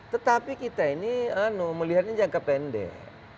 tetapi kita ini melihatnya jangka pendek